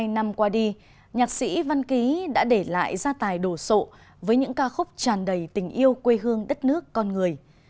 bốn mươi năm qua đi nhạc sĩ văn ký đã để lại gia tài đồ sộ với những ca khúc tràn đầy tình yêu quê hương đất nước con người